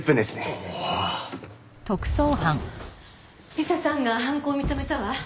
理彩さんが犯行を認めたわ。